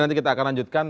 nanti kita akan lanjutkan